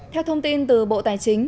theo thông tin từ bộ tài chính